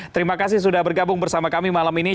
terima kasih sudah bergabung bersama kami malam ini